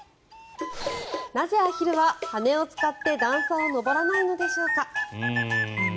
なぜ、アヒルは羽を使って段差を上らないのでしょうか。